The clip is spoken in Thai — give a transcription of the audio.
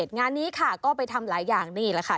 งานนี้ค่ะก็ไปทำหลายอย่างนี่แหละค่ะ